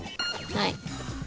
はい。